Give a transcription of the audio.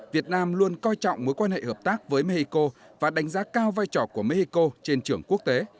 việt nam luôn coi trọng mối quan hệ hợp tác với mexico và đánh giá cao vai trò của mexico trên trường quốc tế